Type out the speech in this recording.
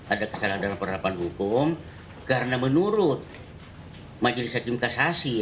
ada kesalahan dalam penerapan hukum karena menurut majelis hakim kasasi